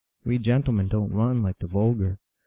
We gentlemen don t run, like the vulgar.